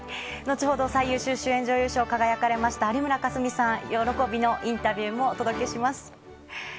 後ほど最優秀主演女優賞、輝かれました有村架純さん、喜びのインタビューもお届けします。